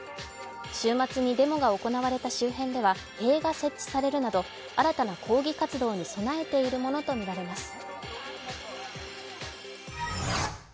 週末にデモが行われた周辺では塀が設置されるなど新たな抗議活動に備えているものとみられます。